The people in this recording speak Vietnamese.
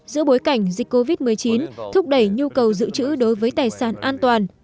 giữa bối cảnh dịch covid một mươi chín thúc đẩy nhu cầu dự trữ đối với tài sản an toàn